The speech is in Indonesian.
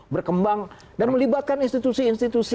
berkembang dan melibatkan institusi institusi